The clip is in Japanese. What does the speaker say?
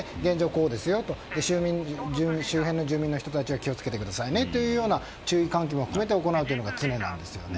こうですよと周辺の住民の人たちは気を付けてくださいねという注意喚起を含めて行うのが常なんですね。